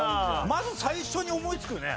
まず最初に思いつくよね